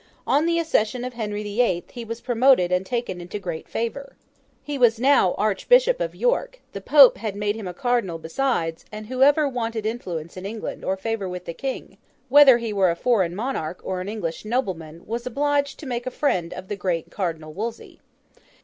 On the accession of Henry the Eighth, he was promoted and taken into great favour. He was now Archbishop of York; the Pope had made him a Cardinal besides; and whoever wanted influence in England or favour with the King—whether he were a foreign monarch or an English nobleman—was obliged to make a friend of the great Cardinal Wolsey.